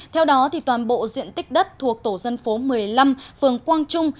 theo đó toàn bộ diện tích đất thuộc tổ dân phố một mươi năm phường quang trung